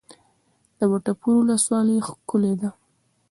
د وټه پور ولسوالۍ ښکلې ده